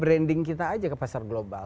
barang yang kita buka kita aja ke pasar global